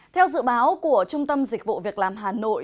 theo dự báo của trung tâm dịch vụ việc làm hà nội